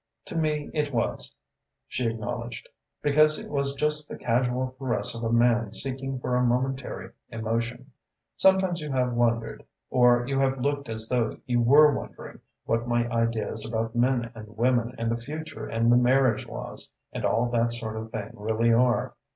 "To me it was," she acknowledged, "because it was just the casual caress of a man seeking for a momentary emotion. Sometimes you have wondered or you have looked as though you were wondering what my ideas about men and women and the future and the marriage laws, and all that sort of thing really are.